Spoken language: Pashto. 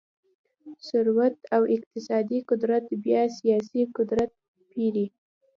ثروت او اقتصادي قدرت بیا سیاسي قدرت پېري.